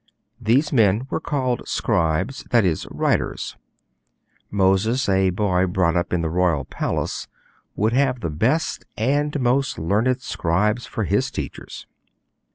These men were called 'scribes,' that is, 'writers.' Moses, a boy brought up in the royal palace, would have the best and most learned scribes for his teachers.